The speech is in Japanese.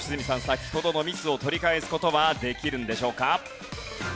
先ほどのミスを取り返す事はできるんでしょうか？